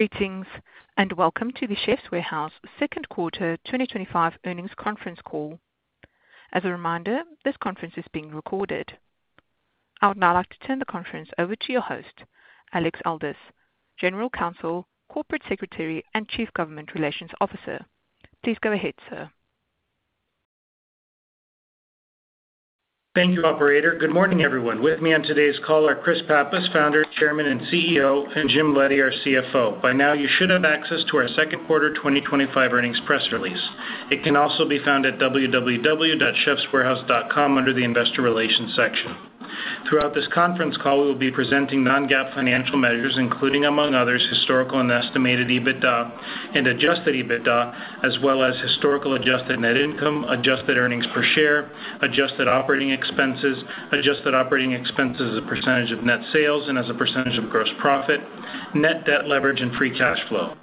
Greetings, and welcome to The Chefs' Warehouse Second Quarter 2025 Earnings Conference Call. As a reminder, this conference is being recorded. I would now like to turn the conference over to your host, Alex Aldous, General Counsel, Corporate Secretary, and Chief Government Relations Officer. Please go ahead, sir. Thank you, operator. Good morning, everyone. With me on today's call are Chris Pappas, Founder, Chairman, and CEO, and Jim Leddy, our CFO. By now, you should have access to our second quarter 2025 earnings press release. It can also be found at www.chefswarehouse.com under the Investor Relations section. Throughout this conference call, we will be presenting non-GAAP financial measures, including, among others, historical and estimated EBITDA and adjusted EBITDA, as well as historical adjusted net income, adjusted earnings per share, adjusted operating expenses, adjusted operating expenses as a % of net sales and as a % of gross profit, net debt leverage, and free cash flow.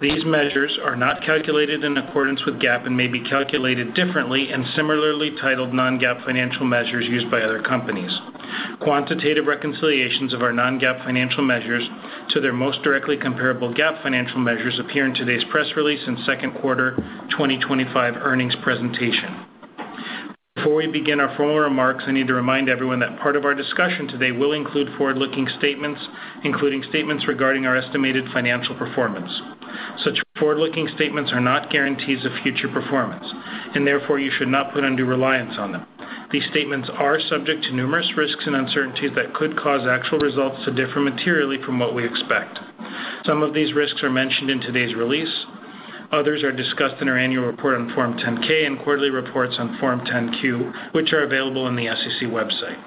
These measures are not calculated in accordance with GAAP and may be calculated differently and similarly titled non-GAAP financial measures used by other companies. Quantitative reconciliations of our non-GAAP financial measures to their most directly comparable GAAP financial measures appear in today's press release and second quarter 2025 earnings presentation. Before we begin our formal remarks, I need to remind everyone that part of our discussion today will include forward-looking statements, including statements regarding our estimated financial performance. Such forward-looking statements are not guarantees of future performance, and therefore you should not put undue reliance on them. These statements are subject to numerous risks and uncertainties that could cause actual results to differ materially from what we expect. Some of these risks are mentioned in today's release. Others are discussed in our annual report on Form 10-K and quarterly reports on Form 10-Q, which are available on the SEC website.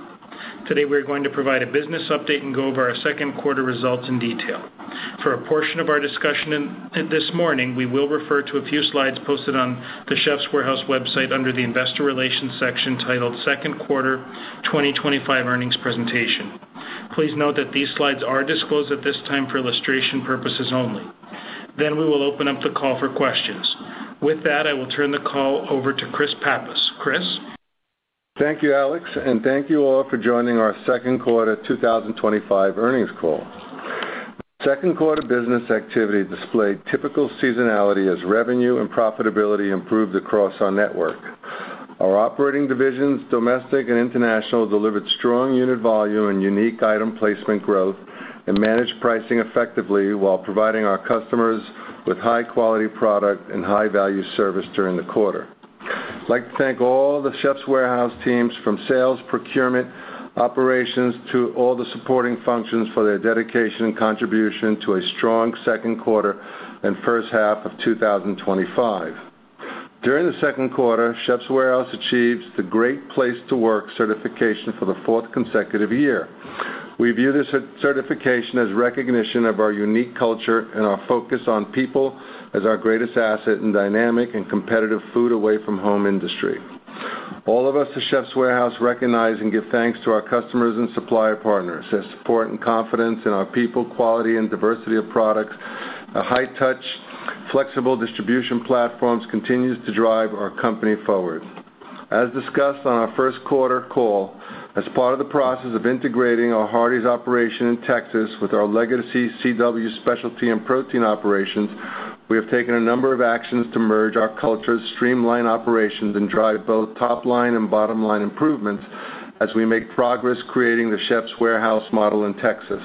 Today, we are going to provide a business update and go over our second quarter results in detail. For a portion of our discussion this morning, we will refer to a few slides posted on The Chefs' Warehouse website under the Investor Relations section titled Second Quarter 2025 Earnings Presentation. Please note that these slides are disclosed at this time for illustration purposes only. We will open up the call for questions. With that, I will turn the call over to Chris Pappas. Chris? Thank you, Alex, and thank you all for joining our second quarter 2025 earnings call. The second quarter business activity displayed typical seasonality as revenue and profitability improved across our network. Our operating divisions, domestic and international, delivered strong unit volume and unique item placement growth and managed pricing effectively while providing our customers with high-quality product and high-value service during the quarter. I'd like to thank all the Chefs' Warehouse teams from sales, procurement, operations, to all the supporting functions for their dedication and contribution to a strong second quarter and first half of 2025. During the second quarter, The Chefs' Warehouse achieved the Great Place to Work certification for the fourth consecutive year. We view this certification as recognition of our unique culture and our focus on people as our greatest asset in the dynamic and competitive food away from home industry. All of us at The Chefs' Warehouse recognize and give thanks to our customers and supplier partners for their support and confidence in our people, quality, and diversity of products. A high-touch, flexible distribution platform continues to drive our company forward. As discussed on our first quarter call, as part of the process of integrating our Hardee’s operation in Texas with our legacy CW specialty and protein operations, we have taken a number of actions to merge our cultures, streamline operations, and drive both top-line and bottom-line improvements as we make progress creating the Chefs' Warehouse model in Texas.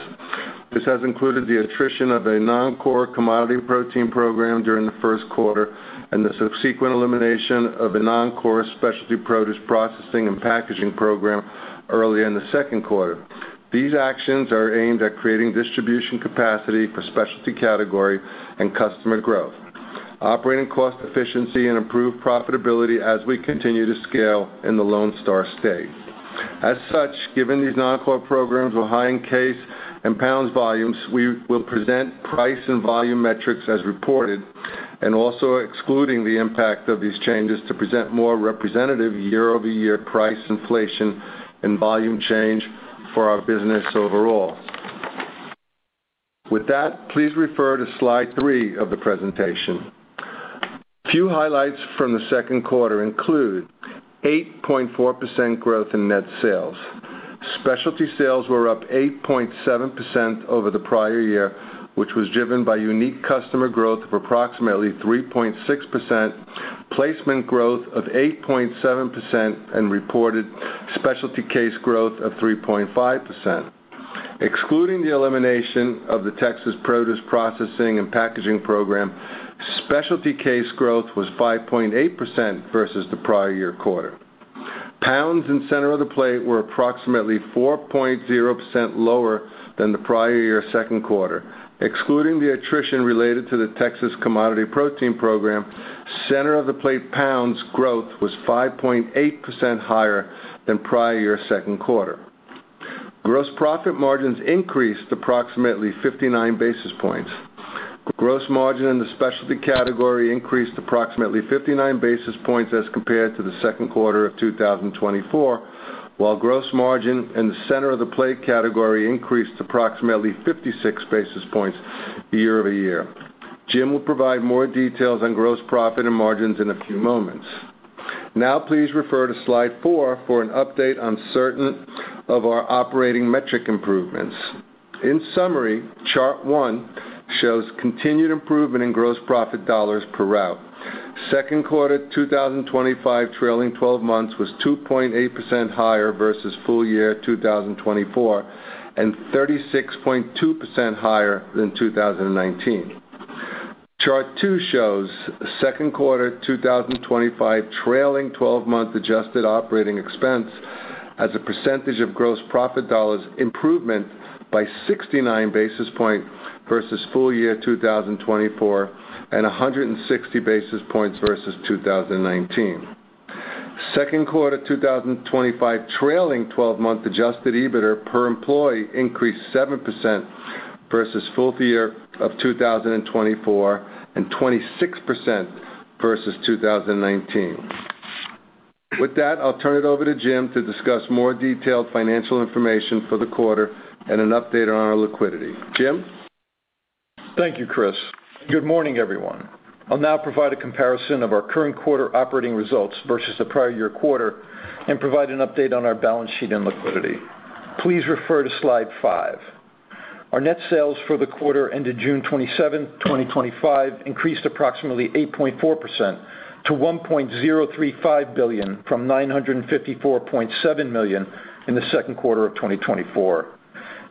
This has included the attrition of a non-core commodity protein program during the first quarter and the subsequent elimination of a non-core specialty produce processing and packaging program earlier in the second quarter. These actions are aimed at creating distribution capacity for specialty category and customer growth, operating cost efficiency, and improved profitability as we continue to scale in the Lone Star State. As such, given these non-core programs with high in case and pounds volumes, we will present price and volume metrics as reported and also excluding the impact of these changes to present more representative year-over-year price inflation and volume change for our business overall. With that, please refer to slide three of the presentation. A few highlights from the second quarter include 8.4% growth in net sales. Specialty sales were up 8.7% over the prior year, which was driven by unique customer growth of approximately 3.6%, placement growth of 8.7%, and reported specialty case growth of 3.5%. Excluding the elimination of the Texas produce processing and packaging program, specialty case growth was 5.8% versus the prior year quarter. Pounds in center-of-the-plate proteins were approximately 4.0% lower than the prior year second quarter. Excluding the attrition related to the Texas commodity protein program, center-of-the-plate proteins pounds growth was 5.8% higher than prior year second quarter. Gross profit margins increased approximately 59 basis points. Gross margin in the specialty category increased approximately 59 basis points as compared to the second quarter of 2024, while gross margin in the center-of-the-plate proteins category increased approximately 56 basis points year-over-year. Jim will provide more details on gross profit and margins in a few moments. Now, please refer to slide four for an update on certain of our operating metric improvements. In summary, chart one shows continued improvement in gross profit dollars per route. Second quarter 2025 trailing 12 months was 2.8% higher versus full year 2024 and 36.2% higher than 2019. Chart two shows second quarter 2025 trailing 12-month adjusted operating expense as a percentage of gross profit dollars improvement by 69 basis points versus full year 2024 and 160 basis points versus 2019. Second quarter 2025 trailing 12-month adjusted EBITDA per employee increased 7% versus full year of 2024 and 26% versus 2019. With that, I'll turn it over to Jim to discuss more detailed financial information for the quarter and an update on our liquidity. Jim? Thank you, Chris. Good morning, everyone. I'll now provide a comparison of our current quarter operating results versus the prior year quarter and provide an update on our balance sheet and liquidity. Please refer to slide five. Our net sales for the quarter ended June 27, 2025, increased approximately 8.4% to $1.035 billion from $954.7 million in the second quarter of 2024.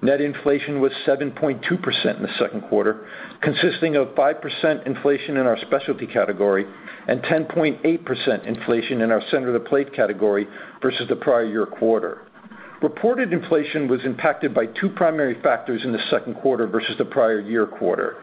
Net inflation was 7.2% in the second quarter, consisting of 5% inflation in our specialty category and 10.8% inflation in our center-of-the-plate category versus the prior year quarter. Reported inflation was impacted by two primary factors in the second quarter versus the prior year quarter.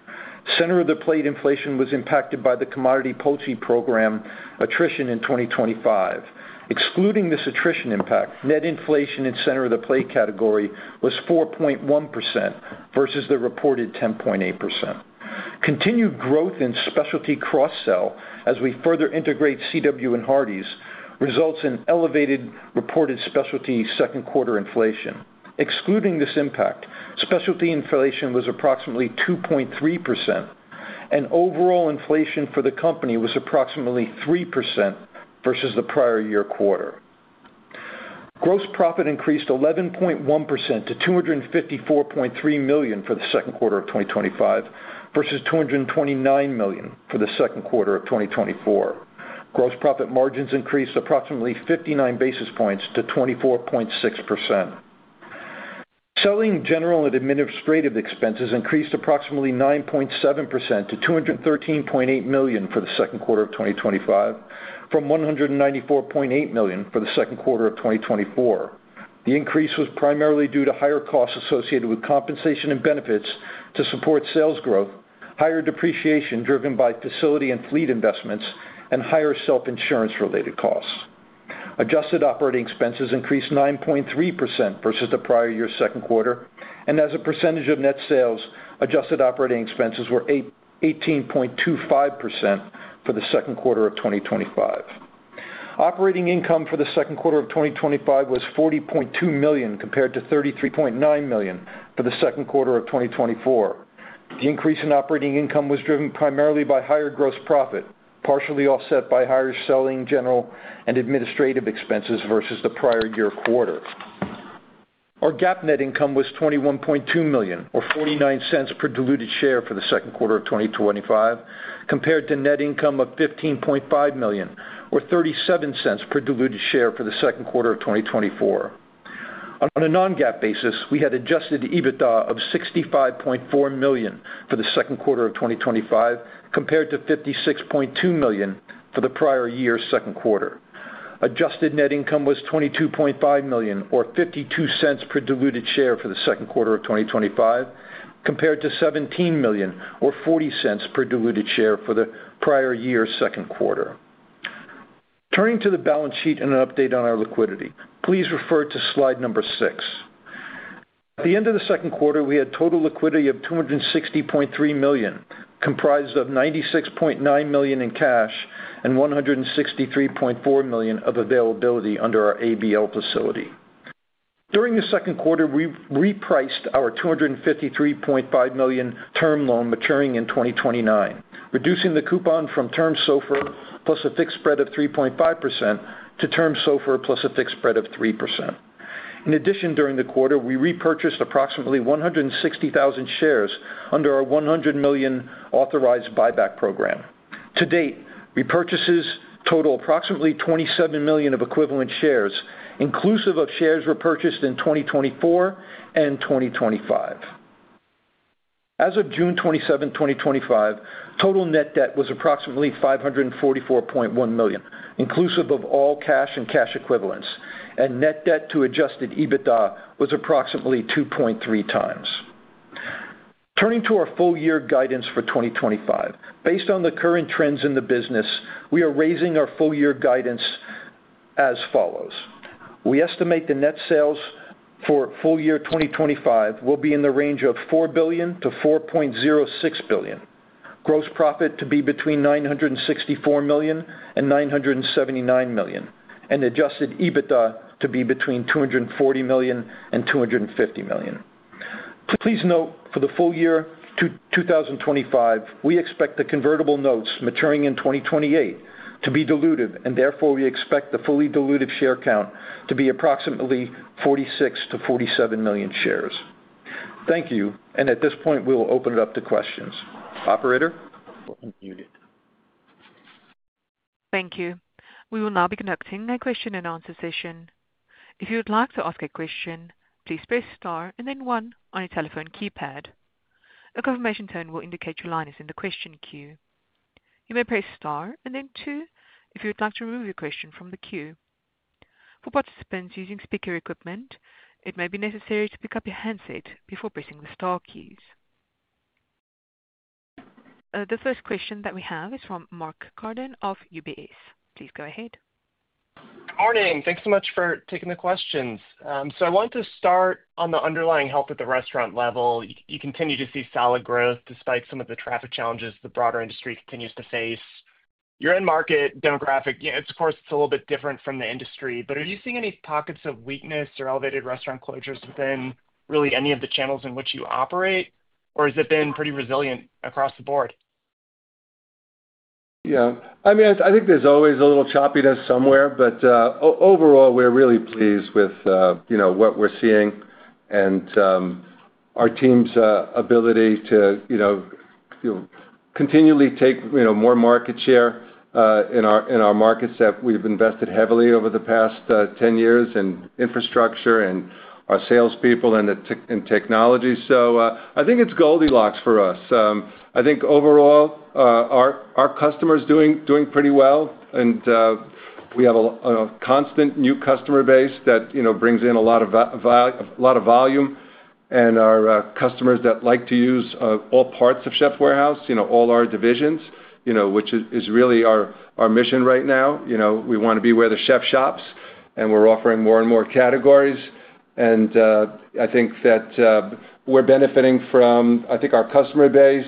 Center-of-the-plate inflation was impacted by the commodity poultry program attrition in 2025. Excluding this attrition impact, net inflation in center-of-the-plate category was 4.1% versus the reported 10.8%. Continued growth in specialty cross-sell as we further integrate CW and Hardee’s results in elevated reported specialty second quarter inflation. Excluding this impact, specialty inflation was approximately 2.3% and overall inflation for the company was approximately 3% versus the prior year quarter. Gross profit increased 11.1% to $254.3 million for the second quarter of 2025 versus $229 million for the second quarter of 2024. Gross profit margins increased approximately 59 basis points to 24.6%. Selling, general, and administrative expenses increased approximately 9.7% to $213.8 million for the second quarter of 2025 from $194.8 million for the second quarter of 2024. The increase was primarily due to higher costs associated with compensation and benefits to support sales growth, higher depreciation driven by facility and fleet investments, and higher self-insurance-related costs. Adjusted operating expenses increased 9.3% versus the prior year's second quarter, and as a percentage of net sales, adjusted operating expenses were 18.25% for the second quarter of 2025. Operating income for the second quarter of 2025 was $40.2 million compared to $33.9 million for the second quarter of 2024. The increase in operating income was driven primarily by higher gross profit, partially offset by higher selling, general, and administrative expenses versus the prior year quarter. Our GAAP net income was $21.2 million or $0.49 per diluted share for the second quarter of 2025 compared to net income of $15.5 million or $0.37 per diluted share for the second quarter of 2024. On a non-GAAP basis, we had adjusted EBITDA of $65.4 million for the second quarter of 2025 compared to $56.2 million for the prior year's second quarter. Adjusted net income was $22.5 million or $0.52 per diluted share for the second quarter of 2025 compared to $17 million or $0.40 per diluted share for the prior year's second quarter. Turning to the balance sheet and an update on our liquidity, please refer to slide number six. At the end of the second quarter, we had total liquidity of $260.3 million, comprised of $96.9 million in cash and $163.4 million of availability under our ABL facility. During the second quarter, we repriced our $253.5 million term loan maturing in 2029, reducing the coupon from Term SOFR plus a fixed spread of 3.5% to Term SOFR plus a fixed spread of 3%. In addition, during the quarter, we repurchased approximately 160,000 shares under our $100 million authorized buyback program. To date, repurchases total approximately $27 million of equivalent shares, inclusive of shares repurchased in 2024 and 2025. As of June 27, 2025, total net debt was approximately $544.1 million, inclusive of all cash and cash equivalents, and net debt to adjusted EBITDA was approximately 2.3x. Turning to our full-year guidance for 2025, based on the current trends in the business, we are raising our full-year guidance as follows. We estimate the net sales for full year 2025 will be in the range of $4 billion-$4.06 billion, gross profit to be between $964 million and $979 million, and adjusted EBITDA to be between $240 million and $250 million. Please note, for the full year 2025, we expect the convertible notes maturing in 2028 to be diluted, and therefore we expect the fully diluted share count to be approximately 46 million-47 million shares. Thank you, and at this point, we will open it up to questions. Operator? Thank you. We will now be conducting a question and answer session. If you would like to ask a question, please press star and then one on your telephone keypad. A confirmation tone will indicate your line is in the question queue. You may press star and then two if you would like to remove your question from the queue. For participants using speaker equipment, it may be necessary to pick up your handset before pressing the star keys. The first question that we have is from Mark Carden of UBS. Please go ahead. Morning. Thanks so much for taking the questions. I wanted to start on the underlying health at the restaurant level. You continue to see solid growth despite some of the traffic challenges the broader industry continues to face. Your end market demographic, of course, it's a little bit different from the industry, but are you seeing any pockets of weakness or elevated restaurant closures within really any of the channels in which you operate, or has it been pretty resilient across the board? Yeah, I mean, I think there's always a little choppiness somewhere, but overall, we're really pleased with what we're seeing and our team's ability to continually take more market share in our markets that we've invested heavily over the past 10 years in infrastructure, our salespeople, and technology. I think it's Goldilocks for us. I think overall our customers are doing pretty well, and we have a constant new customer base that brings in a lot of volume. Our customers that like to use all parts of The Chefs' Warehouse, all our divisions, which is really our mission right now. We want to be where the chef shops, and we're offering more and more categories. I think that we're benefiting from our customer base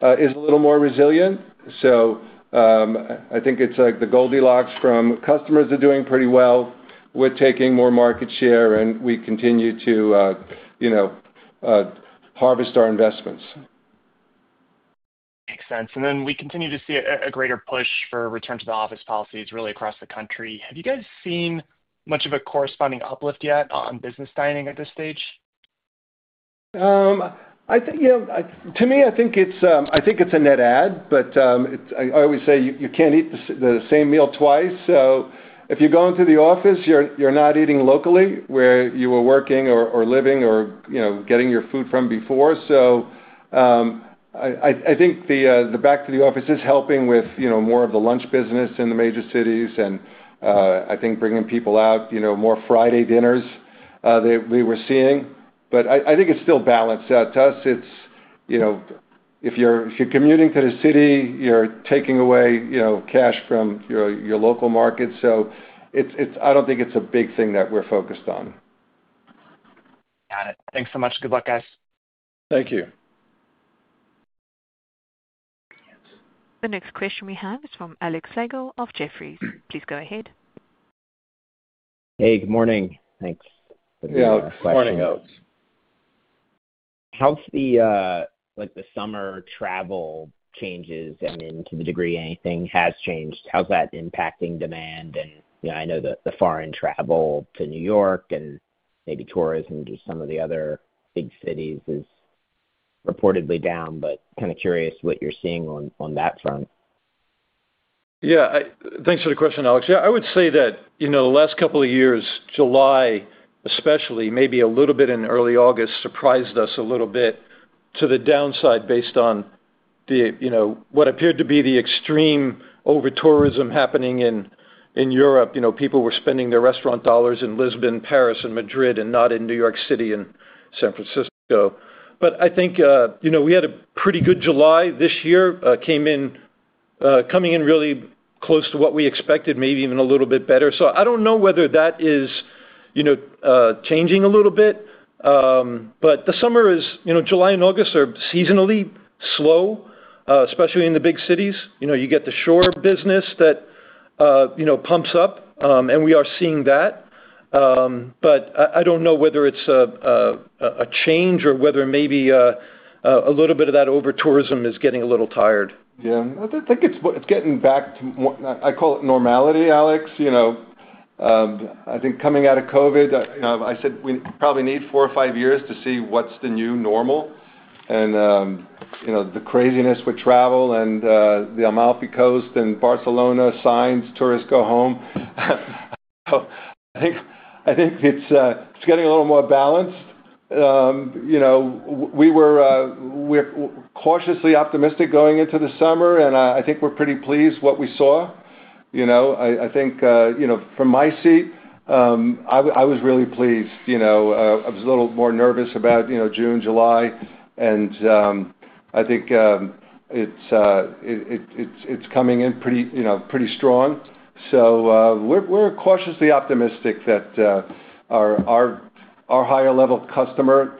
being a little more resilient. I think it's like the Goldilocks from customers are doing pretty well, we're taking more market share, and we continue to harvest our investments. Makes sense. We continue to see a greater push for return to the office policies really across the country. Have you guys seen much of a corresponding uplift yet on business dining at this stage? I think, you know, to me, I think it's a net add, but I always say you can't eat the same meal twice. If you're going to the office, you're not eating locally where you were working or living or, you know, getting your food from before. I think the back to the office is helping with more of the lunch business in the major cities, and I think bringing people out, you know, more Friday dinners that we were seeing. I think it's still balanced out to us. It's, you know, if you're commuting to the city, you're taking away, you know, cash from your local market. I don't think it's a big thing that we're focused on. Got it. Thanks so much. Good luck, guys. Thank you. The next question we have is from Alexander Russell Slagle of Jefferies. Please go ahead. Hey, good morning. Thanks. Yeah, good morning, Alex. How's the summer travel changes? I mean, to the degree anything has changed, how's that impacting demand? I know that the foreign travel to New York and maybe tourism to some of the other big cities is reportedly down, but kind of curious what you're seeing on that front. Yeah, thanks for the question, Alex. I would say that the last couple of years, July especially, maybe a little bit in early August, surprised us a little bit to the downside based on what appeared to be the extreme overtourism happening in Europe. People were spending their restaurant dollars in Lisbon, Paris, and Madrid, and not in New York City and San Francisco. I think we had a pretty good July this year, coming in really close to what we expected, maybe even a little bit better. I don't know whether that is changing a little bit, but the summer is, July and August are seasonally slow, especially in the big cities. You get the shore business that pumps up, and we are seeing that. I don't know whether it's a change or whether maybe a little bit of that overtourism is getting a little tired. I think it's getting back to, I call it normality, Alex. I think coming out of COVID, I said we probably need four or five years to see what's the new normal. The craziness with travel and the Amalfi Coast and Barcelona signs, tourists go home. I think it's getting a little more balanced. We were cautiously optimistic going into the summer, and I think we're pretty pleased with what we saw. From my seat, I was really pleased. I was a little more nervous about June, July, and I think it's coming in pretty strong. We're cautiously optimistic that our higher-level customer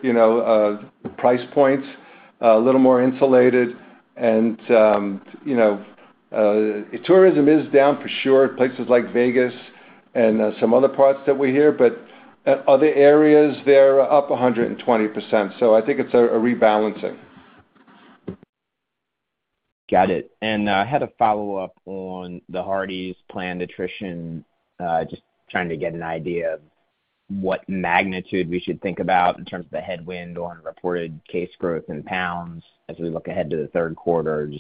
price points are a little more insulated. Tourism is down for sure in places like Vegas and some other parts that we hear, but other areas are up 120%. I think it's a rebalancing. Got it. I had a follow-up on the Hardee’s planned attrition. Just trying to get an idea of what magnitude we should think about in terms of the headwind on reported case growth in pounds as we look ahead to the third quarter.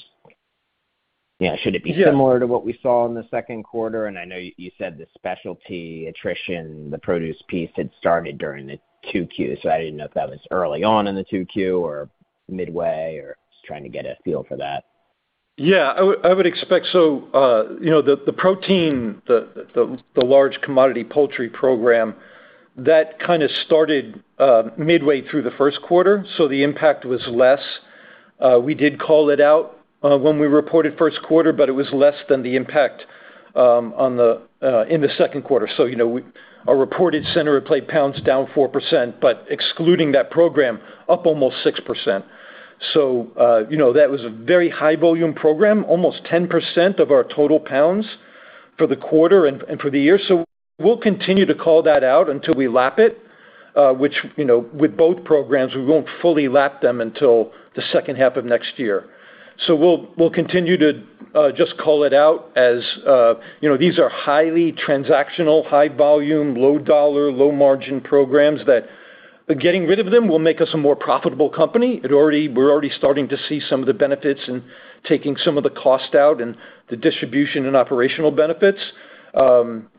Should it be similar to what we saw in the second quarter? I know you said the specialty attrition, the produce piece had started during the Q2. I didn't know if that was early on in the 2Q or midway, just trying to get a feel for that. Yeah, I would expect. The protein, the large commodity poultry program, that kind of started midway through the first quarter. The impact was less. We did call it out when we reported first quarter, but it was less than the impact in the second quarter. Our reported center-of-the-plate pounds down 4%, but excluding that program, up almost 6%. That was a very high-volume program, almost 10% of our total pounds for the quarter and for the year. We'll continue to call that out until we lap it, which, with both programs, we won't fully lap them until the second half of next year. We'll continue to just call it out as these are highly transactional, high-volume, low-dollar, low-margin programs that getting rid of them will make us a more profitable company. We're already starting to see some of the benefits and taking some of the cost out and the distribution and operational benefits. It'll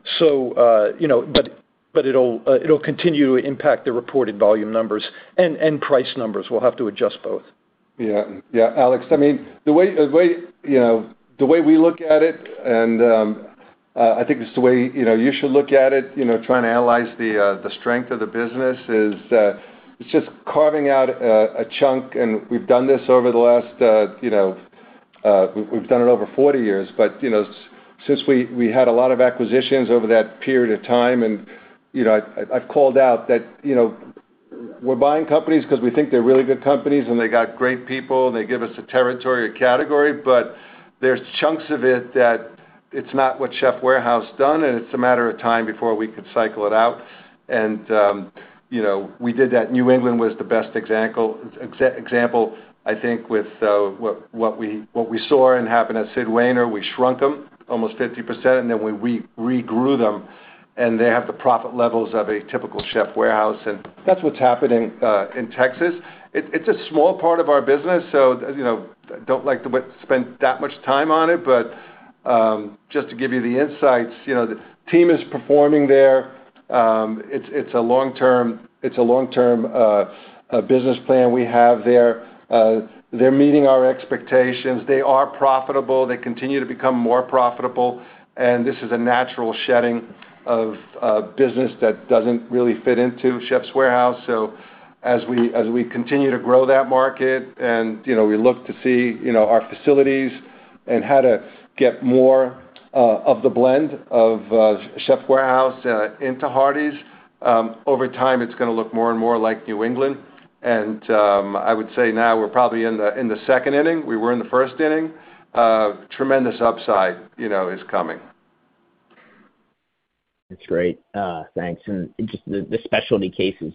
continue to impact the reported volume numbers and price numbers. We'll have to adjust both. Yeah. Yeah, Alex. The way we look at it, and I think it's the way you should look at it, trying to analyze the strength of the business is, it's just carving out a chunk. We've done this over the last 40 years. Since we had a lot of acquisitions over that period of time, I've called out that we're buying companies because we think they're really good companies, and they got great people, and they give us a territory, a category. There's chunks of it that it's not what The Chefs' Warehouse has done, and it's a matter of time before we can cycle it out. We did that. New England was the best example, I think, with what we saw and happened at Sid Wainer. We shrunk them almost 50%, and then we regrew them, and they have the profit levels of a typical Chefs' Warehouse. That's what's happening in Texas. It's a small part of our business. I don't like to spend that much time on it, but just to give you the insights, the team is performing there. It's a long-term business plan we have there. They're meeting our expectations. They are profitable. They continue to become more profitable. This is a natural shedding of business that doesn't really fit into The Chefs' Warehouse. As we continue to grow that market and we look to see our facilities and how to get more of the blend of The Chefs' Warehouse into Hardee’s, over time, it's going to look more and more like New England. I would say now we're probably in the second inning. We were in the first inning. Tremendous upside is coming. That's great, thanks. Just the specialty cases,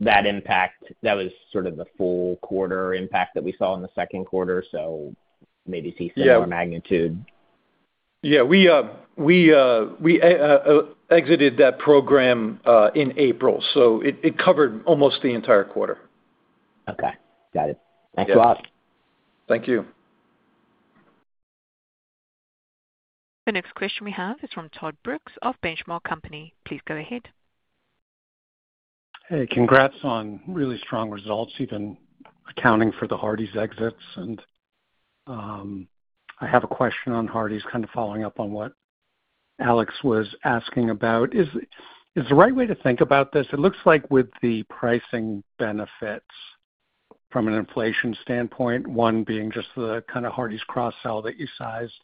that impact, that was sort of the full quarter impact that we saw in the second quarter. Maybe see similar magnitude. Yeah, we exited that program in April. It covered almost the entire quarter. Okay. Got it. Thanks a lot. Thank you. The next question we have is from Todd Morrison Brooks of The Benchmark Company. Please go ahead. Hey, congrats on really strong results, even accounting for the Hardee’s exits. I have a question on Hardee’s, kind of following up on what Alex was asking about. Is this the right way to think about this? It looks like with the pricing benefits from an inflation standpoint, one being just the kind of Hardee’s cross-sell that you sized,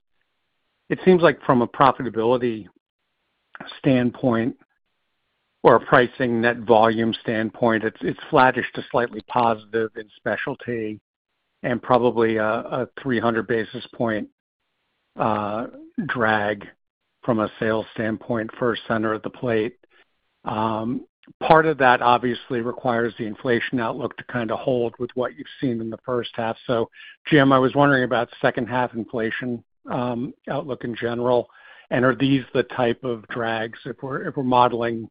it seems like from a profitability standpoint or a pricing net volume standpoint, it’s flattish to slightly positive in specialty and probably a 300 basis point drag from a sales standpoint for a center-of-the-plate. Part of that obviously requires the inflation outlook to kind of hold with what you’ve seen in the first half. Jim, I was wondering about second-half inflation outlook in general. Are these the type of drags if we’re modeling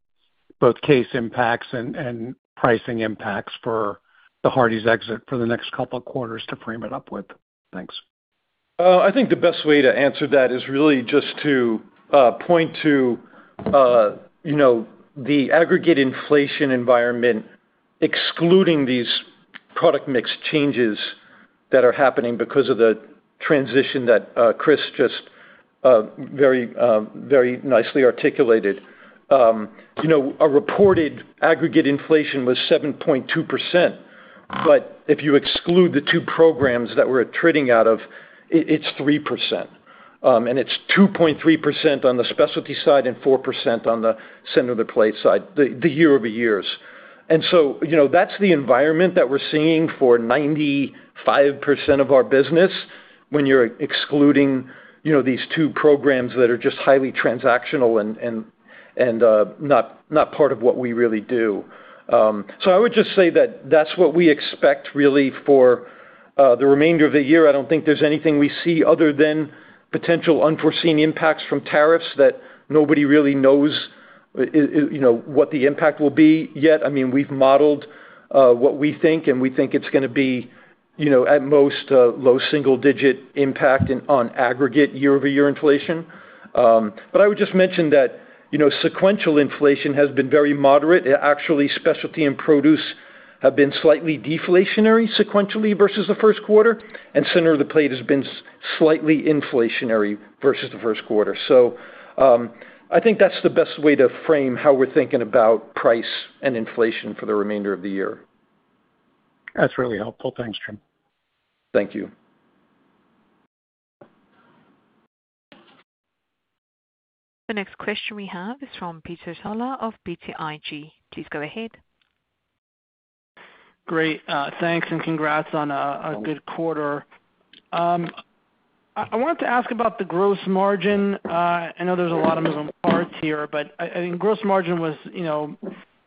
both case impacts and pricing impacts for the Hardee’s exit for the next couple of quarters to frame it up with? Thanks. I think the best way to answer that is really just to point to the aggregate inflation environment excluding these product mix changes that are happening because of the transition that Chris just very, very nicely articulated. A reported aggregate inflation was 7.2%. If you exclude the two programs that we're attriting out of, it's 3%. It's 2.3% on the specialty side and 4% on the center-of-the-plate side, the year-over-years. That's the environment that we're seeing for 95% of our business when you're excluding these two programs that are just highly transactional and not part of what we really do. I would just say that that's what we expect for the remainder of the year. I don't think there's anything we see other than potential unforeseen impacts from tariffs that nobody really knows what the impact will be yet. We've modeled what we think, and we think it's going to be, at most, a low single-digit impact on aggregate year-over-year inflation. I would just mention that sequential inflation has been very moderate. Actually, specialty and produce have been slightly deflationary sequentially versus the first quarter, and center-of-the-plate has been slightly inflationary versus the first quarter. I think that's the best way to frame how we're thinking about price and inflation for the remainder of the year. That's really helpful. Thanks, Jim. Thank you. The next question we have is from Peter Saleh of BTIG. Please go ahead. Great, thanks and congrats on a good quarter. I wanted to ask about the gross margin. I know there's a lot of moving parts here, but I think gross margin was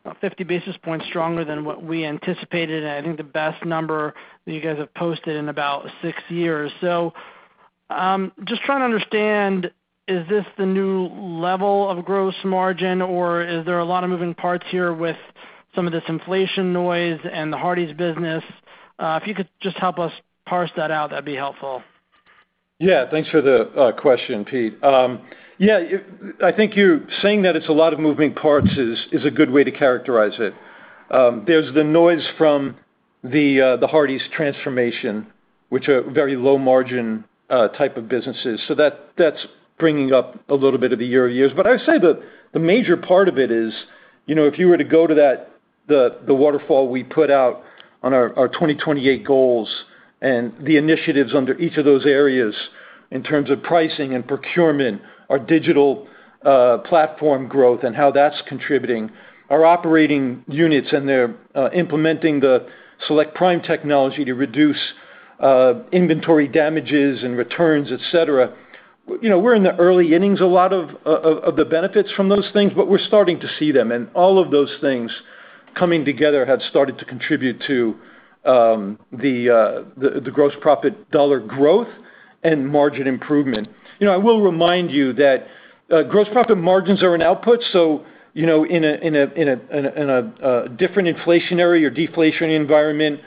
about 50 basis points stronger than what we anticipated, and I think the best number that you guys have posted in about six years. Just trying to understand, is this the new level of gross margin or is there a lot of moving parts here with some of this inflation noise and the Hardee’s business? If you could just help us parse that out, that'd be helpful. Yeah, thanks for the question, Pete. I think you're saying that it's a lot of moving parts is a good way to characterize it. There's the noise from the Hardee’s transformation, which are very low-margin type of businesses. That's bringing up a little bit of the year-over-years. I would say the major part of it is, you know, if you were to go to that waterfall we put out on our 2028 goals and the initiatives under each of those areas in terms of pricing and procurement, our digital platform growth and how that's contributing, our operating units and they're implementing the Select Prime technology to reduce inventory damages and returns, etc. We're in the early innings, a lot of the benefits from those things, but we're starting to see them. All of those things coming together have started to contribute to the gross profit dollar growth and margin improvement. I will remind you that gross profit margins are an output. In a different inflationary or deflationary environment,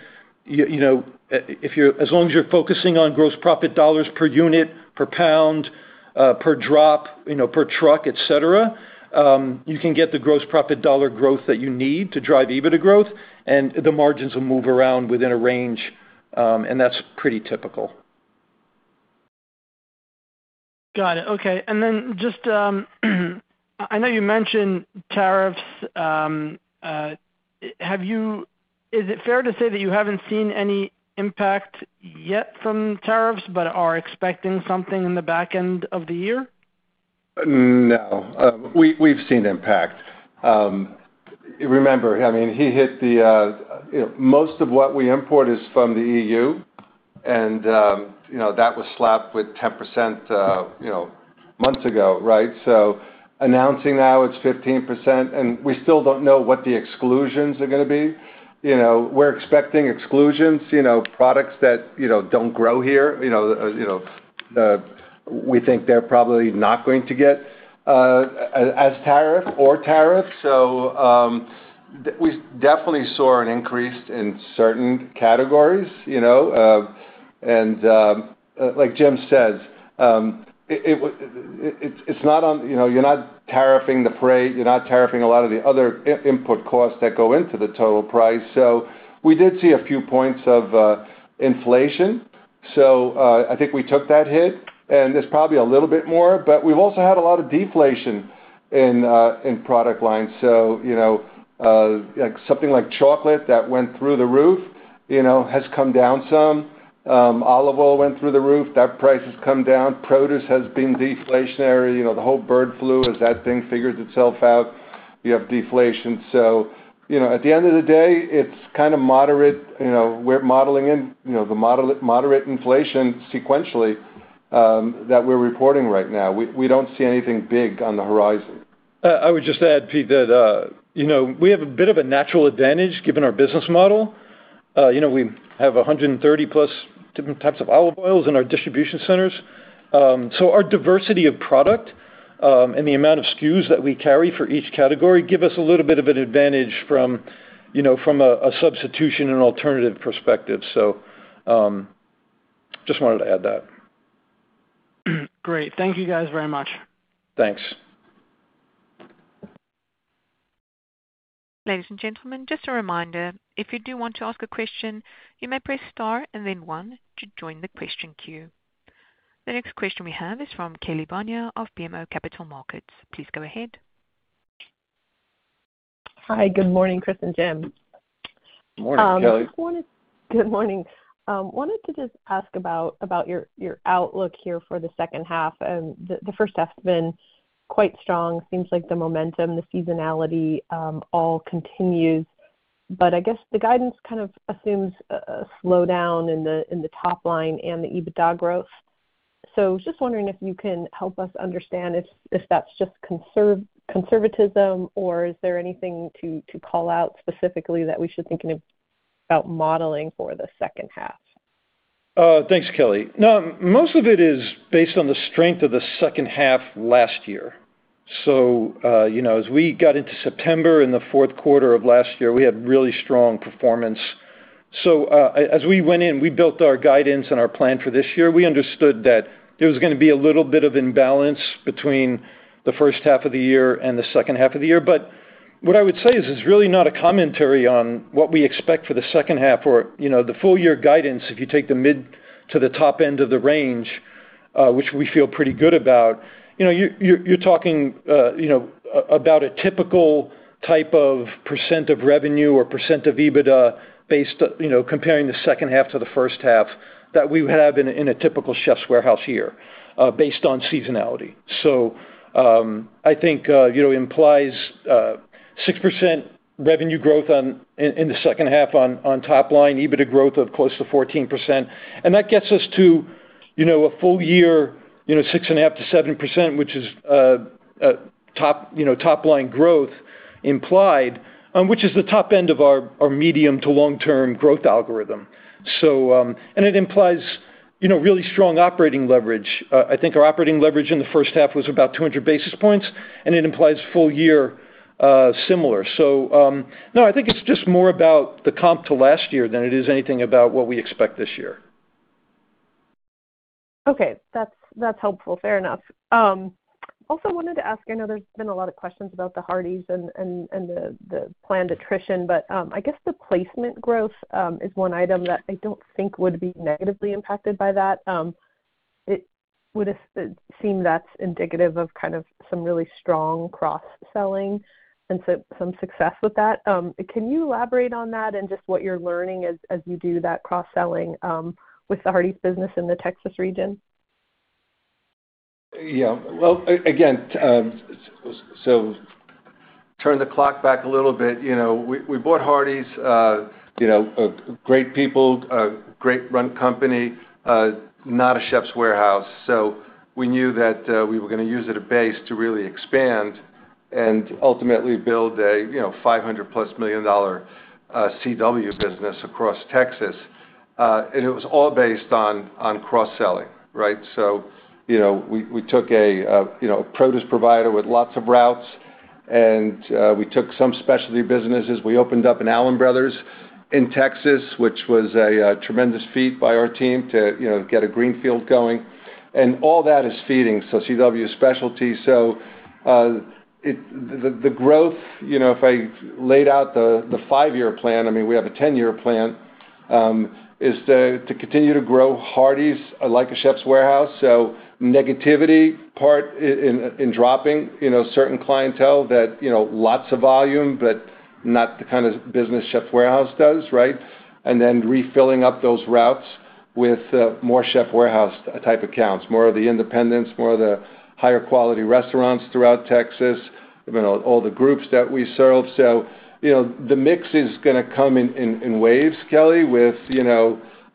as long as you're focusing on gross profit dollars per unit, per pound, per drop, per truck, etc., you can get the gross profit dollar growth that you need to drive EBITDA growth, and the margins will move around within a range. That's pretty typical. Got it. Okay. I know you mentioned tariffs. Is it fair to say that you haven't seen any impact yet from tariffs, but are expecting something in the back end of the year? No. We've seen impact. Remember, I mean, he hit the, you know, most of what we import is from the EU. That was slapped with 10% months ago, right? Announcing now it's 15%, and we still don't know what the exclusions are going to be. We're expecting exclusions, products that don't grow here. We think they're probably not going to get as tariff or tariffs. We definitely saw an increase in certain categories, and, like Jim says, it's not on, you're not tariffing the parade. You're not tariffing a lot of the other input costs that go into the total price. We did see a few points of inflation. I think we took that hit, and there's probably a little bit more, but we've also had a lot of deflation in product lines. Something like chocolate that went through the roof has come down some. Olive oil went through the roof. That price has come down. Produce has been deflationary. The whole bird flu, as that thing figures itself out, you have deflation. At the end of the day, it's kind of moderate. We're modeling in the moderate inflation sequentially that we're reporting right now. We don't see anything big on the horizon. I would just add, Pete, that we have a bit of a natural advantage given our business model. We have 130+ different types of olive oils in our distribution centers. Our diversity of product and the amount of SKUs that we carry for each category give us a little bit of an advantage from a substitution and alternative perspective. I just wanted to add that. Great. Thank you guys very much. Thanks. Ladies and gentlemen, just a reminder, if you do want to ask a question, you may press star and then one to join the question queue. The next question we have is from Kelly Ann Bania of BMO Capital Markets. Please go ahead. Hi. Good morning, Chris and Jim. Good morning, Kelly. Good morning. I wanted to just ask about your outlook here for the second half. The first half has been quite strong. It seems like the momentum, the seasonality all continues. I guess the guidance kind of assumes a slowdown in the top line and the EBITDA growth. I was just wondering if you can help us understand if that's just conservatism or is there anything to call out specifically that we should be thinking about modeling for the second half? Thanks, Kelly. No, most of it is based on the strength of the second half last year. As we got into September in the fourth quarter of last year, we had really strong performance. As we went in, we built our guidance and our plan for this year. We understood that there was going to be a little bit of imbalance between the first half of the year and the second half of the year. What I would say is it's really not a commentary on what we expect for the second half or the full-year guidance. If you take the mid to the top end of the range, which we feel pretty good about, you're talking about a typical type of % of revenue or % of EBITDA based comparing the second half to the first half that we would have in a typical The Chefs' Warehouse year based on seasonality. I think it implies 6% revenue growth in the second half on top line, EBITDA growth of close to 14%. That gets us to a full year 6.5% to 7%, which is top line growth implied, which is the top end of our medium to long-term growth algorithm. It implies really strong operating leverage. I think our operating leverage in the first half was about 200 basis points, and it implies full year, similar. No, I think it's just more about the comp to last year than it is anything about what we expect this year. Okay, that's helpful. Fair enough. I also wanted to ask, I know there's been a lot of questions about the Hardee’s and the planned attrition, but I guess the placement growth is one item that I don't think would be negatively impacted by that. It would seem that's indicative of kind of some really strong cross-selling and some success with that. Can you elaborate on that and just what you're learning as you do that cross-selling with the Hardee’s business in the Texas region? Yeah. Again, turn the clock back a little bit. You know, we bought Hardee’s, you know, great people, great run company, not a Chefs' Warehouse. We knew that we were going to use it as a base to really expand and ultimately build a $500+ million CW business across Texas. It was all based on cross-selling, right? We took a produce provider with lots of routes, and we took some specialty businesses. We opened up an Allen Brothers in Texas, which was a tremendous feat by our team to get a greenfield going. All that is feeding CW specialty. The growth, if I laid out the five-year plan—I mean, we have a 10-year plan—is to continue to grow Hardee’s like a Chefs' Warehouse. Negativity part in dropping certain clientele that, you know, lots of volume, but not the kind of business Chefs' Warehouse does, right? Then refilling up those routes with more Chefs' Warehouse type accounts, more of the independents, more of the higher-quality restaurants throughout Texas, all the groups that we serve. The mix is going to come in waves, Kelly, with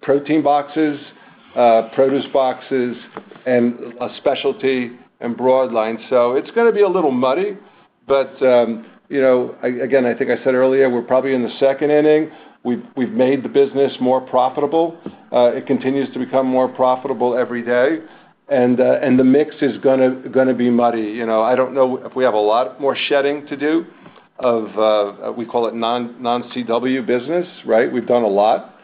protein boxes, produce boxes, and a specialty and broad line. It's going to be a little muddy. I think I said earlier, we're probably in the second inning. We've made the business more profitable. It continues to become more profitable every day, and the mix is going to be muddy. I don't know if we have a lot more shedding to do of—we call it non-CW business, right? We've done a lot.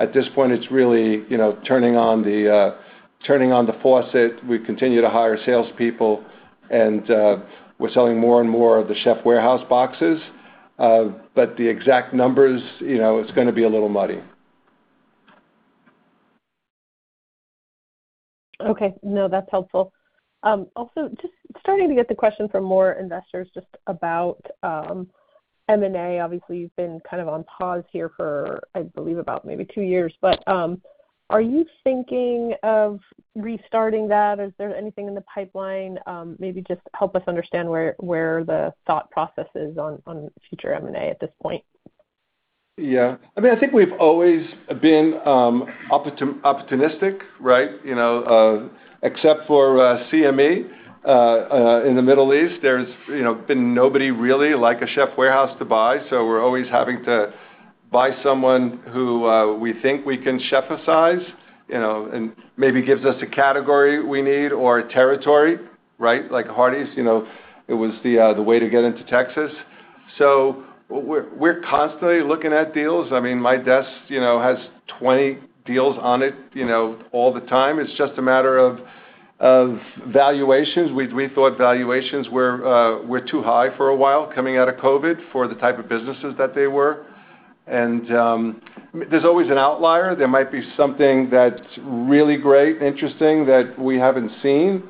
At this point, it's really turning on the faucet. We continue to hire salespeople, and we're selling more and more of the Chefs' Warehouse boxes, but the exact numbers, you know, it's going to be a little muddy. Okay. No, that's helpful. Also, just starting to get the question from more investors about M&A. Obviously, you've been kind of on pause here for, I believe, about maybe two years. Are you thinking of restarting that? Is there anything in the pipeline? Maybe just help us understand where the thought process is on future M&A at this point. Yeah. I mean, I think we've always been opportunistic, right? Except for Chef’s Middle East in the Middle East, there's been nobody really like The Chefs' Warehouse to buy. We're always having to buy someone who we think we can chef-size, you know, and maybe gives us a category we need or a territory, right? Like Hardee’s, it was the way to get into Texas. We're constantly looking at deals. I mean, my desk has 20 deals on it all the time. It's just a matter of valuations. We thought valuations were too high for a while coming out of COVID for the type of businesses that they were. There's always an outlier. There might be something that's really great and interesting that we haven't seen.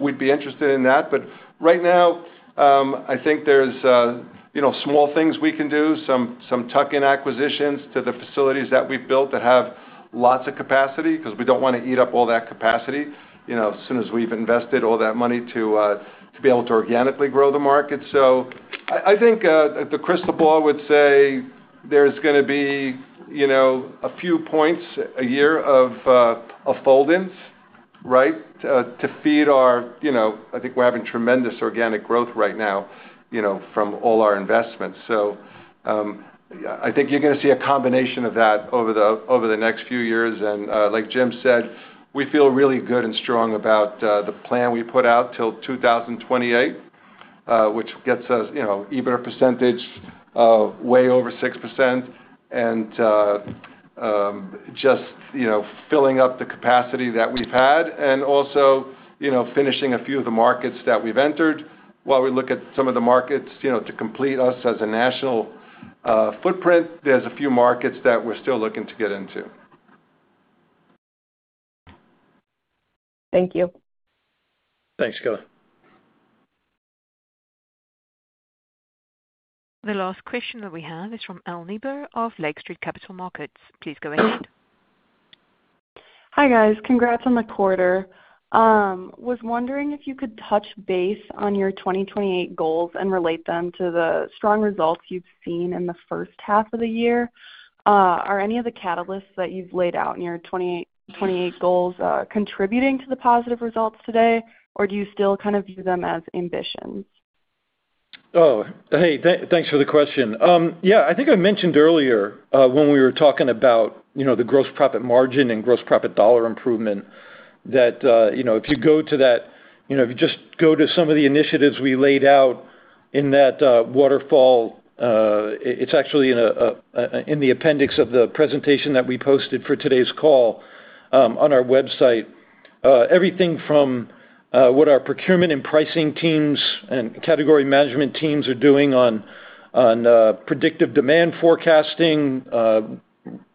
We'd be interested in that. Right now, I think there's small things we can do, some tuck-in acquisitions to the facilities that we've built that have lots of capacity because we don't want to eat up all that capacity as soon as we've invested all that money to be able to organically grow the market. I think the crystal ball would say there's going to be a few points a year of a fold-in to feed our, you know, I think we're having tremendous organic growth right now from all our investments. I think you're going to see a combination of that over the next few years. Like Jim said, we feel really good and strong about the plan we put out till 2028, which gets us EBITDA percentage of way over 6% and just filling up the capacity that we've had and also finishing a few of the markets that we've entered. While we look at some of the markets to complete us as a national footprint, there's a few markets that we're still looking to get into. Thank you. Thanks, Kayleigh. The last question that we have is from Elle Niebuhr of Lake Street Capital Markets. Please go ahead. Hi, guys. Congrats on the quarter. I was wondering if you could touch base on your 2028 goals and relate them to the strong results you've seen in the first half of the year. Are any of the catalysts that you've laid out in your 2028 goals contributing to the positive results today, or do you still kind of view them as ambitions? Oh, hey, thanks for the question. Yeah, I think I mentioned earlier, when we were talking about, you know, the gross profit margin and gross profit dollar improvement that, you know, if you go to that, you know, if you just go to some of the initiatives we laid out in that waterfall, it's actually in the appendix of the presentation that we posted for today's call on our website. Everything from what our procurement and pricing teams and category management teams are doing on predictive demand forecasting,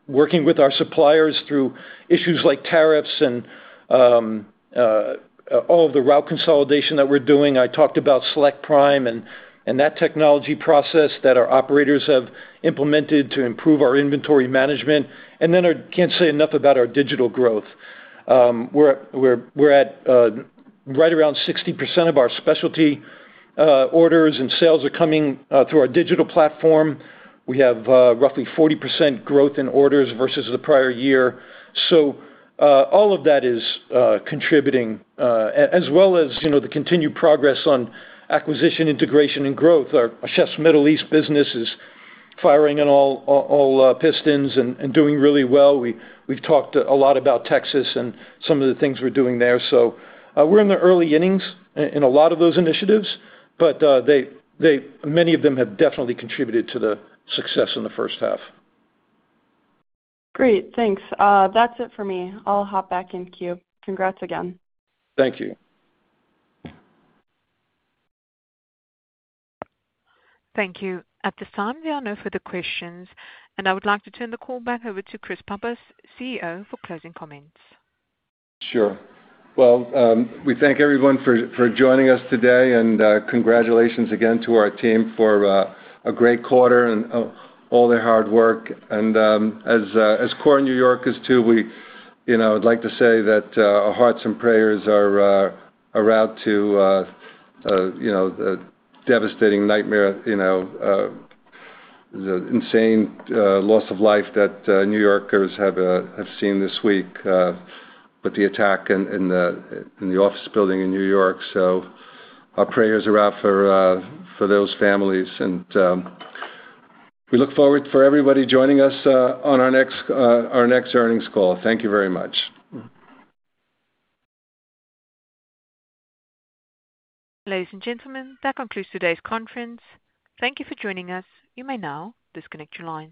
working with our suppliers through issues like tariffs, and all of the route consolidation that we're doing. I talked about Select Prime and that technology process that our operators have implemented to improve our inventory management. I can't say enough about our digital growth. We're at right around 60% of our specialty orders and sales are coming through our digital platform. We have roughly 40% growth in orders versus the prior year. All of that is contributing, as well as, you know, the continued progress on acquisition integration and growth. Our Chef’s Middle East business is firing on all pistons and doing really well. We've talked a lot about Texas and some of the things we're doing there. We're in the early innings in a lot of those initiatives, but many of them have definitely contributed to the success in the first half. Great. Thanks. That's it for me. I'll hop back in queue. Congrats again. Thank you. Thank you. At this time, there are no further questions. I would like to turn the call back over to Chris Pappas, CEO, for closing comments. Sure. We thank everyone for joining us today. Congratulations again to our team for a great quarter and all their hard work. As core New Yorkers too, I'd like to say that our hearts and prayers are out to the devastating nightmare, the insane loss of life that New Yorkers have seen this week with the attack in the office building in New York. Our prayers are out for those families. We look forward to everybody joining us on our next earnings call. Thank you very much. Ladies and gentlemen, that concludes today's conference. Thank you for joining us. You may now disconnect your line.